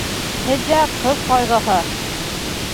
— Һеҙҙә ҡыҙ ҡайғыһы...